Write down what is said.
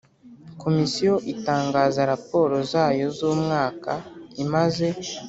Komisiyo itangaza raporo zayo z umwaka imaze